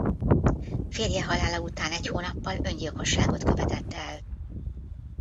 Férje halála után egy hónappal öngyilkosságot követett el.